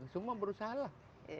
semua berusaha lah